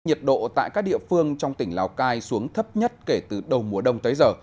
nhiệt độ tại các địa phương trong tỉnh lào cai xuống thấp nhất kể từ đầu mùa đông tới giờ